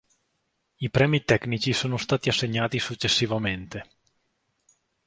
I premi tecnici sono stati assegnati successivamente.